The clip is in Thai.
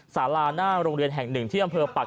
สาราหน้าโรงเรียนแห่งหนึ่งที่อำเภอปัก